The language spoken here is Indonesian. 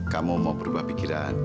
kamu mau berubah pikiran